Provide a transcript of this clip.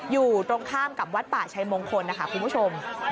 อยู่ตรงข้ามกับวัดป่าชัยมงคลนะคะคุณผู้ชม